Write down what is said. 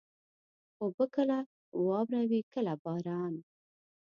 اوبه کله واوره وي، کله باران.